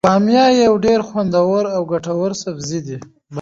بامیه یو ډیر خوندور او ګټور سبزي دی.